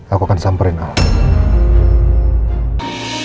aku akan samperin aku